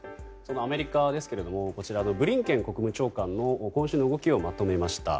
アメリカですがブリンケン国務長官の今週の動きをまとめました。